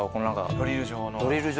ドリル状の。